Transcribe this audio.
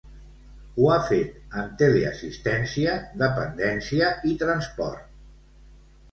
Ho ha fet en teleassistència, dependència i transport.